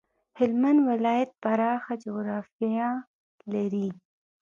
هلمند ولایت پراخه جغرافيه لري.